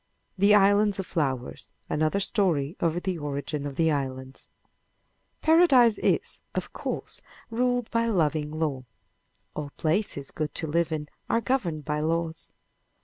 THE ISLANDS OF FLOWERS Another Story of the Origin of the Islands Paradise is, of course, ruled by loving law. All places good to live in are governed by laws.